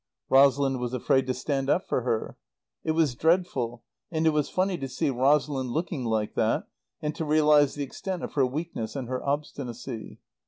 Rosalind was afraid to stand up for her. It was dreadful, and it was funny to see Rosalind looking like that, and to realize the extent of her weakness and her obstinacy.